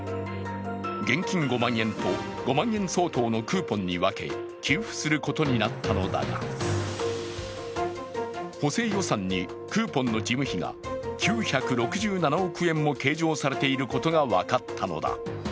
現金５万円と５万円相当のクーポンに分け給付することになったのだが補正予算にクーポンの事務費が９６７億円も計上されていることが分かったのだ。